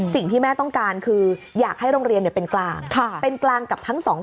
สิ่งที่แม่ต้องการคืออยากให้โรงเรียนเป็นกลางเป็นกลางกับทั้งสองคน